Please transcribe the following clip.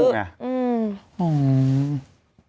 อืม